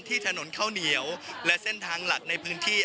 ถนนข้าวเหนียวและเส้นทางหลักในพื้นที่